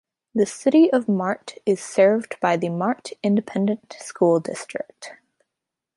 The City of Mart is served by the Mart Independent School District.